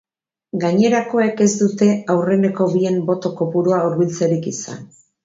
Gainerakoek ez dute aurreneko bien boto kopurura hurbiltzerik izan.